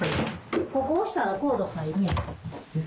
ここを押したらコード入るやん。